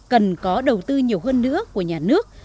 cần có đầu tư nhiều hơn nữa của nhà nước